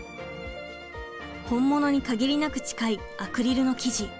本物に限りなく近いアクリルの生地。